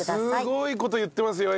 すごい事言ってますよ